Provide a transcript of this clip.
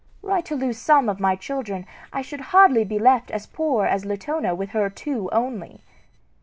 Were I to lose some of my children, I should hardly be left as poor as Latona with her two only.